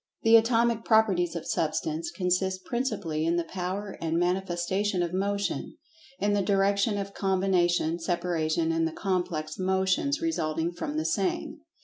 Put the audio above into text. The Atomic Properties of Substance consist principally in the power and manifestation of Motion, in the direction of combination, separation, and the complex motions resulting from the same.